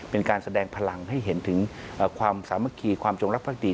เป็นการแสดงพลังให้เห็นถึงความสามัคคีความจงรักภักดี